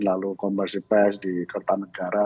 lalu konversi pes di kota negara